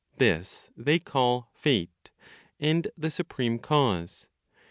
This they call Fate, and the Supreme Cause.